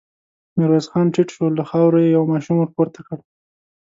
ميرويس خان ټيټ شو، له خاورو يې يو ماشوم ور پورته کړ.